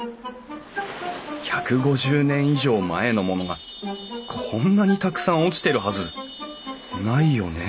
１５０年以上前のものがこんなにたくさん落ちてるはずないよね？